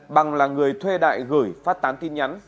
bằng là người thuê đại gửi phát tán tin nhắn